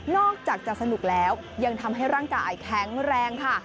อกจากจะสนุกแล้วยังทำให้ร่างกายแข็งแรงค่ะ